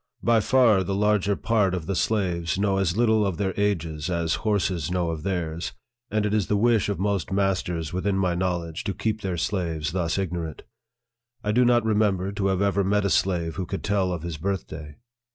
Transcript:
By far the larger part of the slaves know as little of their ages as horses know of theirs, arid it is the wish of most masters within my knowledge to keep their slaves thus ignorant. I do not remember to have ever met a slave who could tell of his birthday.